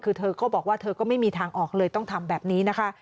คือเธอก็บอกว่าเธอก็ไม่มีทางออกเลยต้องทำแบบนี้นะคะ